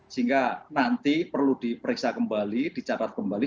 sehingga nanti perlu diperiksa kembali dicatat kembali